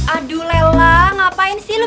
aduh lela ngapain sih lu